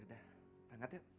udah bangkat yuk